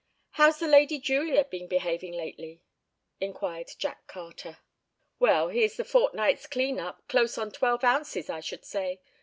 "How's the 'Lady Julia' been behaving lately?" inquired Jack Carter. "Well, here's the fortnight's clean up, close on twelve ounces, I should say.